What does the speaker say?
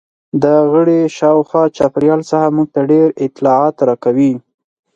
دا غړي شاوخوا چاپیریال څخه موږ ته ډېر اطلاعات راکوي.